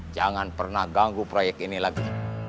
jangan pernah ganggu proyek ini lagi